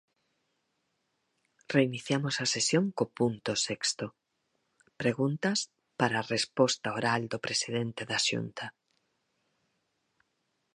Reiniciamos a sesión co punto sexto, preguntas para resposta oral do presidente da Xunta.